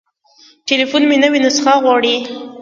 تليفون مې نوې نسخه غواړي.